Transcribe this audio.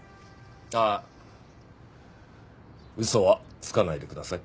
ああ嘘はつかないでください。